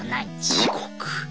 地獄。